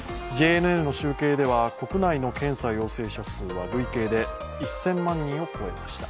ＪＮＮの集計では国内の検査陽性者数は累計で１０００万人を超えました。